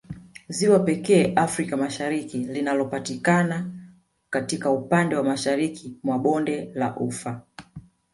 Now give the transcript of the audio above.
Ziwa pekee Afrika Mashariki linalopatikana katika upande wa mashariki mwa bonde la ufa